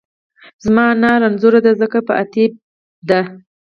زما انا رنځورۀ دۀ ځکه په اتېب دۀ